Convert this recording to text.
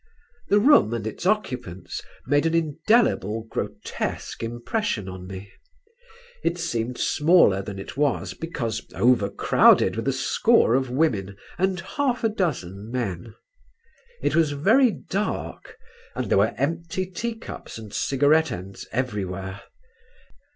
The room and its occupants made an indelible grotesque impression on me. It seemed smaller than it was because overcrowded with a score of women and half a dozen men. It was very dark and there were empty tea cups and cigarette ends everywhere.